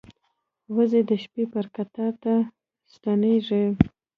وزې د شپې پر کټار ته ستنېږي